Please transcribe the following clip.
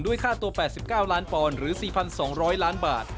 ค่าตัว๘๙ล้านปอนด์หรือ๔๒๐๐ล้านบาท